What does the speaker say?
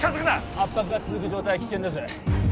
圧迫が続く状態は危険です